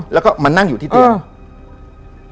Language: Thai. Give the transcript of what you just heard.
แล้วก็มานั่งอยู่ที่เตียง